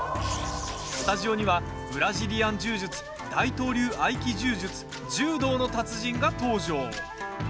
スタジオにはブラジリアン柔術大東流合気柔術柔道の達人が登場。